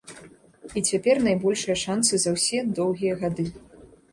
І цяпер найбольшыя шанцы за ўсе доўгія гады.